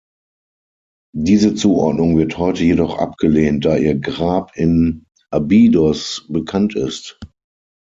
Diese Zuordnung wird heute jedoch abgelehnt, da ihr Grab in Abydos bekannt ist.